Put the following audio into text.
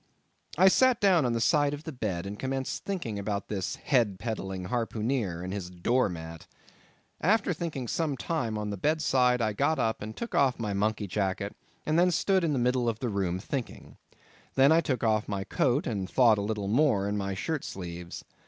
I sat down on the side of the bed, and commenced thinking about this head peddling harpooneer, and his door mat. After thinking some time on the bed side, I got up and took off my monkey jacket, and then stood in the middle of the room thinking. I then took off my coat, and thought a little more in my shirt sleeves.